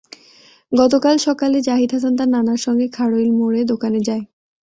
গতকাল সকালে জাহিদ হাসান তার নানার সঙ্গে খাড়ইল মোড়ে দোকানে যায়।